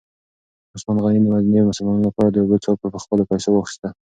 عثمان غني د مدینې د مسلمانانو لپاره د اوبو څاه په خپلو پیسو واخیسته.